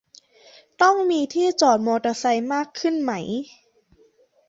ต้องมีที่จอดมอเตอร์ไซค์มากขึ้นไหม